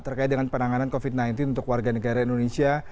terkait dengan penanganan covid sembilan belas untuk warga negara indonesia